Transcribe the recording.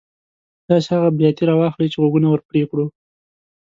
تاسې هغه بیاتي را واخلئ چې غوږونه ور پرې کړو.